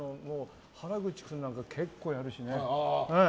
原口君なんて結構やるしね。